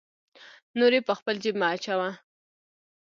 نورې په خپل جیب مه اچوه.